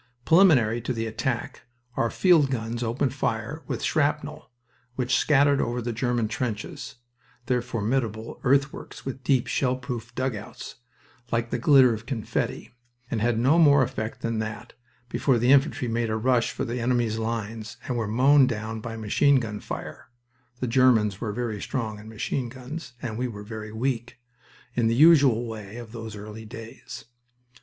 Preliminary to the attack our field guns opened fire with shrapnel, which scattered over the German trenches their formidable earthworks with deep, shell proof dugouts like the glitter of confetti, and had no more effect than that before the infantry made a rush for the enemy's line and were mown down by machine gun fire the Germans were very strong in machine guns, and we were very weak in the usual way of those early days.